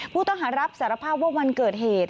ผู้ต้องหารับสารภาพว่าวันเกิดเหตุ